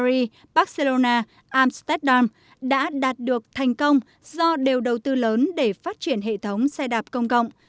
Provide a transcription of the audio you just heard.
paris barcelona amsterdam đã đạt được thành công do đều đầu tư lớn để phát triển hệ thống xe đạp công cộng